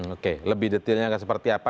oke lebih detailnya akan seperti apa